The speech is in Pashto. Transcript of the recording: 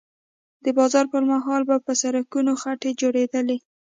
د باران پر مهال به په سړکونو خټې جوړېدلې